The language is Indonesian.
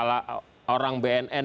ada kalah orang bnn itu kan